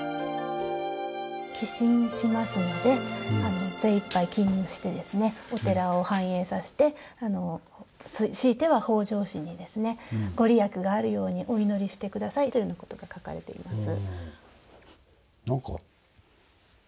「寄進しますので精いっぱい勤務してお寺を繁栄させてしいては北条氏に御利益があるようにお祈りして下さい」というような事が書かれています。